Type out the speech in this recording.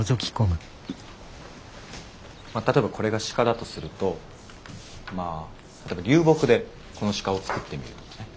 例えばこれが鹿だとするとまあ流木でこの鹿を作ってみるとかね。